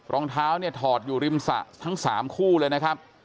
รองเท้าเนี่ยถอดอยู่ริมสระทั้ง๓คู่เลยนะครับ